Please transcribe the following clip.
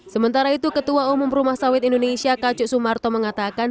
sementara itu ketua umum rumah sawit indonesia kacuk sumarto mengatakan